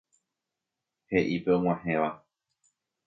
He'i pe og̃uahẽva.